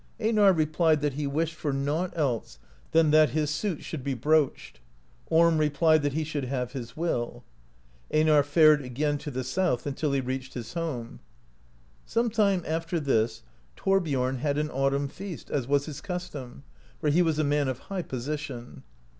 Einar replied that he wished for nought else than that his suit should be broached; Orm replied that he should have his will. Einar fared again to the South' until he reached his home. Sometime af ter this, Thorbiorn had an autumn feast, as was his cus tom, for he was a man of high position.